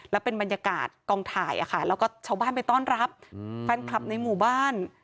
แล้วเป็นบรรยากาศกองถ่ายแล้วก็ชาวบ้านไปต้อนรับแฟนคลับในหมู่บ้าน